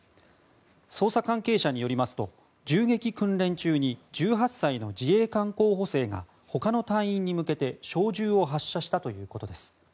捜査関係者によりますと銃撃訓練中に１８歳の自衛官候補生が他の隊員に向けて小銃を発射したということです。